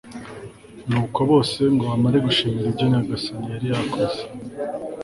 nuko bose, ngo bamare gushimira nyagasani ibyo yari yakoze